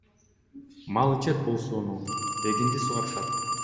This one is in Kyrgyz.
Мал ичет бул сууну, эгинди суугарышат.